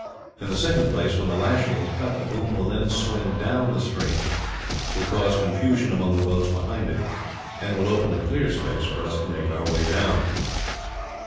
In the second place, when the lashing is cut the boom will then swing down the stream, will cause confusion among the boats behind it, and will open a clear space for us to make our way down."